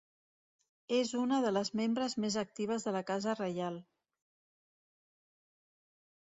És una de les membres més actives de la Casa Reial.